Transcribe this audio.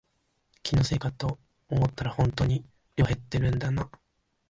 気のせいかと思ったらほんとに量減ってるんだな